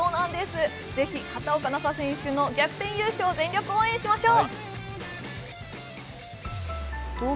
ぜひ畑岡奈紗の逆転優勝を全力応援しましょう。